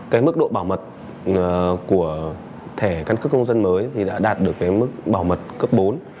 cái mức độ bảo mật của thẻ căn cước công dân mới thì đã đạt được cái mức bảo mật cấp bốn